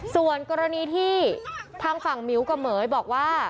ส่วนกรณีที่ทางฝั่งหมิวกับเหม๋ยบอกว่า